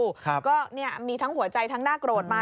แล้วก็อยากให้เรื่องนี้จบไปเพราะว่ามันกระทบกระเทือนทั้งจิตใจของคุณครู